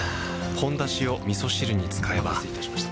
「ほんだし」をみそ汁に使えばお待たせいたしました。